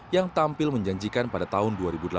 yang tampil menjanjikan pada tahun dua ribu delapan belas